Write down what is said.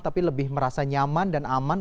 tapi lebih merasa nyaman dan aman